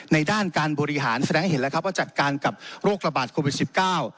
ในด้านการบริหารแสดงเห็นแล้วว่าจัดการกับโรคระบาดโควิด๑๙